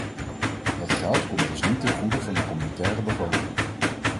Dat geld komt dus niet ten goede van de communautaire begroting.